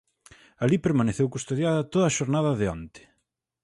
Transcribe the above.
Alí permaneceu custodiada toda a xornada de onte.